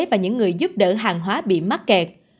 và những người giúp đỡ hàng hóa bị mắc kẹt